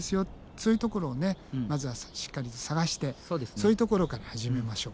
そういうところをまずはしっかりと探してそういうところから始めましょう。